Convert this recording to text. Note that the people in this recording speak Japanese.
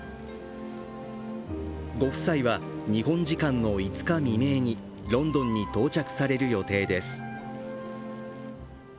ご夫妻は、日本時間の５日未明にロンドンに到着される予定です。